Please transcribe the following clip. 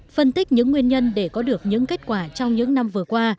phân tích những nguyên nhân để có được những kết quả trong những năm vừa qua